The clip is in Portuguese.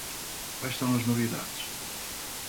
Quais são as novidades?